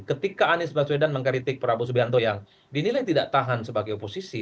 ketika anies baswedan mengkritik prabowo subianto yang dinilai tidak tahan sebagai oposisi